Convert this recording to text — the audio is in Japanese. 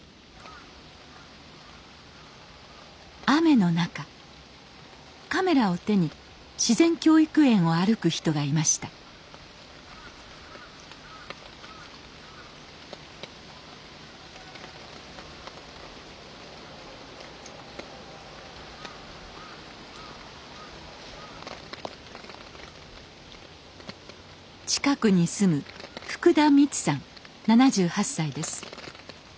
雨の中カメラを手に自然教育園を歩く人がいました近くに住む福田光さん７８歳です。